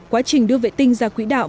quá trình đưa vệ tinh ra quỹ đạo